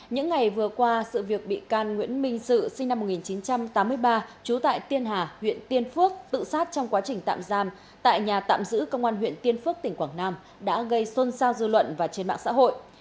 những ngày vừa qua sự việc bị can nguyễn minh dự sinh năm một nghìn chín trăm tám mươi ba trú tại tiên hà huyện tiên phước tự sát trong quá trình tạm giam tại nhà tạm giữ công an huyện tiên phước tỉnh quảng nam đã gây xôn xao dư luận và trên mạng xã hội